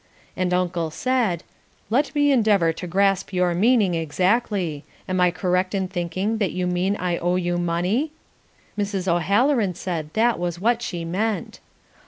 And Uncle said, "Let me endeavour to grasp your meaning exactly: am I correct in thinking that you mean I owe you money?" Mrs. O'Halloran said that was what she meant.